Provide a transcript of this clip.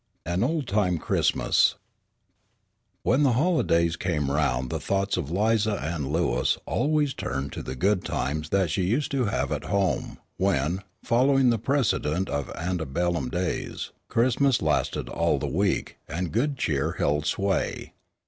AN OLD TIME CHRISTMAS When the holidays came round the thoughts of 'Liza Ann Lewis always turned to the good times that she used to have at home when, following the precedent of anti bellum days, Christmas lasted all the week and good cheer held sway.